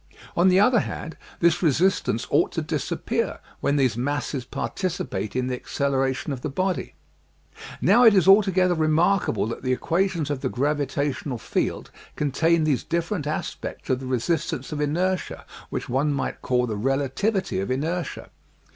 On the other hand, this resistance ought to disappear when these masses participate in the acceleration of the body. " Now it is altogether remarkable that the equations DEMATERIALIZING MATTER 97 of the gravitational field contain these different aspects of the resistance of inertia, which one might call the relativity of inertia.